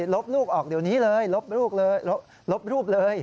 ลบลูกออกเดี๋ยวนี้เลยลบลูกเลยลบรูปเลย